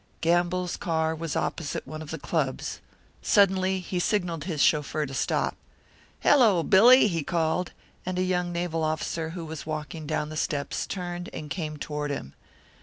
Gamble's car was opposite one of the clubs. Suddenly he signalled his chauffeur to stop. "Hello, Billy!" he called; and a young naval officer who was walking down the steps turned and came toward him.